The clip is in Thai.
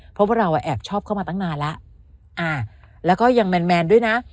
เพราะว่าเราแอบชอบเข้ามาตั้งนานแล้วอ่าแล้วก็ยังแมนด้วยนะ